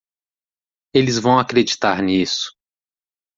Eles vão acreditar nisso.